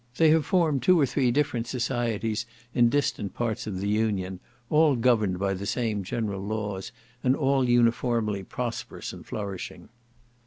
They have formed two or three different societies in distant parts of the Union, all governed by the same general laws, and all uniformly prosperous and flourishing.